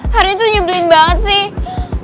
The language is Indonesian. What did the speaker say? hari itu nyebling banget sih